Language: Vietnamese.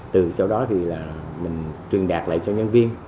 từ sau đó thì là mình truyền đạt lại cho nhân viên